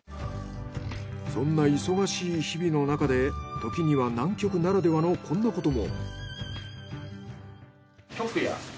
そんな忙しい日々のなかでときには南極ならではのこんなことも。